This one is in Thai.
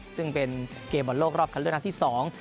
ซึ่งเป็นเกมบอลโลกรอบคันเลือกนัดที่สอง